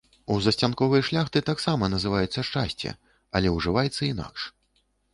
У засцянковай шляхты таксама называецца шчасце, але ўжываецца інакш.